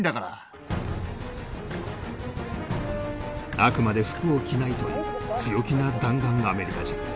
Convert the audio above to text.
あくまで服を着ないという強気な弾丸アメリカ人